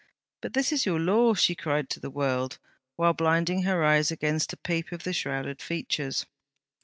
'But this is your Law!' she cried to the world, while blinding her eyes against a peep of the shrouded features.